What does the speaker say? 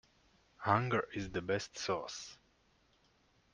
Hunger is the best sauce.